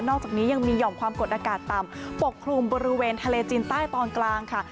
อกจากนี้ยังมีห่อมความกดอากาศต่ำปกคลุมบริเวณทะเลจีนใต้ตอนกลางค่ะ